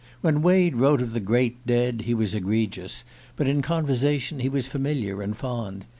When Wade wrote of the great dead he was egregious, but in conversation he was familiar and fond.